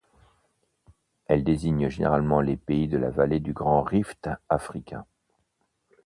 Elle désigne généralement les pays de la vallée du Grand Rift africain.